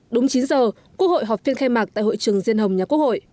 đúng chín giờ quốc hội họp phiên khai mạc tại hội trường diên hồng nhà quốc hội